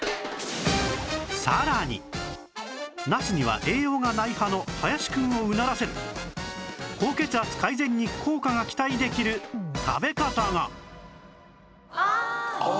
さらにナスには栄養がない派の林くんをうならせる高血圧改善に効果が期待できる食べ方がああ！